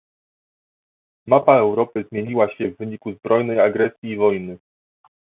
Mapa Europy zmieniła się w wyniku zbrojnej agresji i wojny